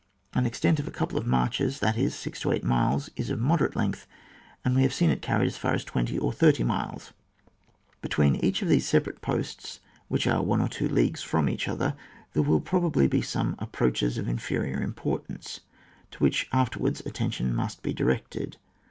An extent of a couple of marches, that is, six to eight miles is of moderate length, and we have seen it carried as far as twenty or thirty miles. Between each of these separate posts^ which are one or two leagues from each other, there will probably be some ap proaches of inferior import&nce, to whidi afterwards attention must be directed.